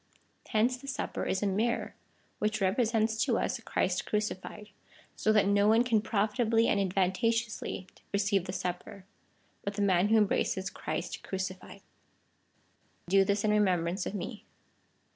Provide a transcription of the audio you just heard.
Hence the Supper is a mirror which represents to us Christ crucified, so that no one can profitably and advantageously receive the supper, but the man who embraces Christ crucified. Do this in remembrance of me.